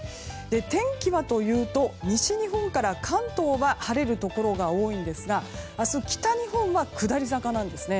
天気はというと西日本から関東は晴れるところが多いんですが明日、北日本は下り坂なんですね。